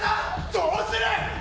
どうする？